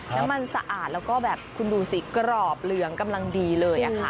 น้ำมันสะอาดแล้วก็แบบคุณดูสิกรอบเหลืองกำลังดีเลยค่ะ